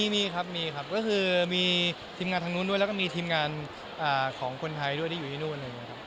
มีครับมีครับก็คือมีทีมงานทางโน้นด้วยแล้วก็มีทีมงานของคนไทยด้วยที่อยู่ที่โน้น